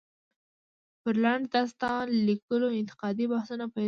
پر لنډ داستان ليکلو انتقادي بحثونه پيل شول.